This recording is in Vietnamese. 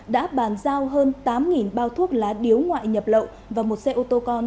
đã bàn giao hơn tám bao thuốc lá điếu ngoại nhập lậu và một xe ô tô con